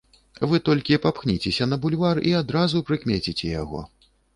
Вы толькі папхніцеся на бульвар і адразу прыкмеціце яго.